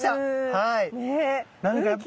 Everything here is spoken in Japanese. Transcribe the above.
はい。